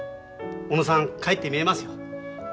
小野さん帰ってみえますよ。